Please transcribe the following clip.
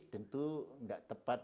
tentu tidak tepat